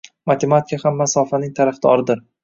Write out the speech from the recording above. Matematika ham masofaning tarafdoridir